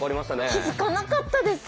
気付かなかったです。